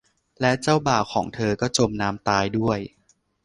และเจ้าบ่าวของเธอก็จมน้ำตายด้วย